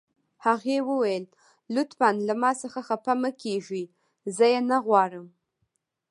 هغې وویل: لطفاً له ما څخه خفه مه کیږئ، زه یې نه غواړم.